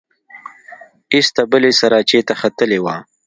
ایسته بلې سراچې ته ختلې وه.